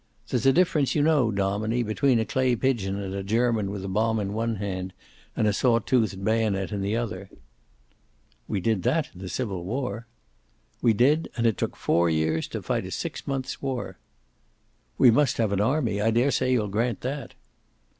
There's a difference you know, dominie, between a clay pigeon and a German with a bomb in one hand and a saw toothed bayonet in the other." "We did that in the Civil War." "We did. And it took four years to fight a six months war." "We must have an army. I daresay you'll grant that."